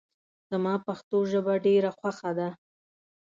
زما پښتو ژبه ډېره خوښه ده